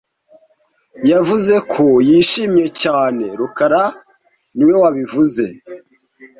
Yavuze ko yishimye cyane rukara niwe wabivuze